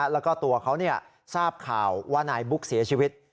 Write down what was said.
แล้วก็ตัวเขาทราบข่าวว่านายบุ๊กเสียชีวิต